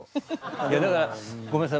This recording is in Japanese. いやだからごめんなさい